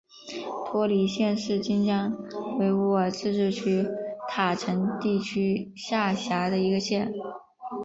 托里县是新疆维吾尔自治区塔城地区下辖的一个县。